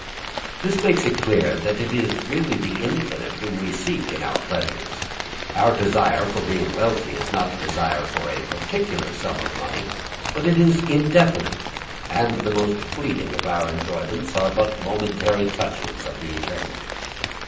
This makes it clear that it is really the infinite whom we seek in our pleasures. Our desire for being wealthy is not a desire for a particular sum of money but it is indefinite, and the most fleeting of our enjoyments are but the momentary touches of the eternal.